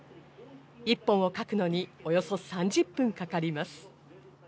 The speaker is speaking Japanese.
１本を書くのにおよそ３０分かかります。